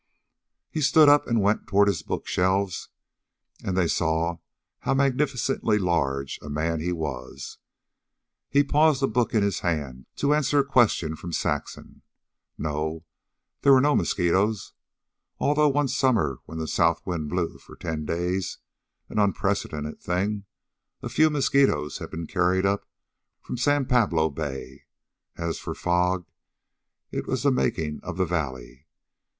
He stood up and went toward his book shelves; and they saw how magnificently large a man he was. He paused a book in his hand, to answer a question from Saxon. No; there were no mosquitoes, although, one summer when the south wind blew for ten days an unprecedented thing a few mosquitoes had been carried up from San Pablo Bay. As for fog, it was the making of the valley.